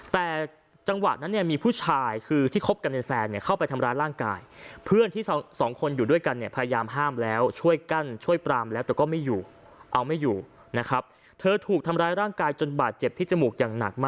แต่จังหวัดนั้นมีผู้ชาย